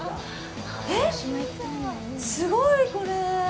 えっ、すごい、これ。